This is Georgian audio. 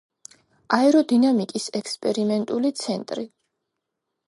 აეროდინამიკის ექსპერიმენტული ცენტრი.